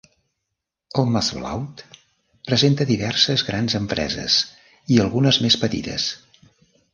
El Maasvlakte presenta diverses grans empreses i algunes més petites.